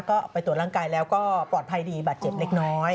ก็ไปตรวจร่างกายแล้วก็ปลอดภัยดีบาดเจ็บเล็กน้อย